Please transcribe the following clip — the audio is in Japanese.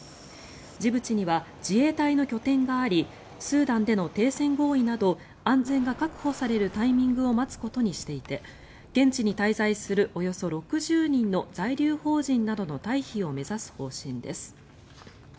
ジブチには自衛隊の拠点がありスーダンでの停戦合意など安全が確保されるタイミングを待つことにしていて現地に滞在するおよそ６０人の在留邦人などの退避を目指す方針です。